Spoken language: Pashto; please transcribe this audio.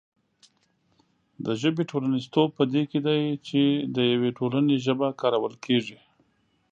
د ژبې ټولنیزتوب په دې کې دی چې د یوې ټولنې ژبه کارول کېږي.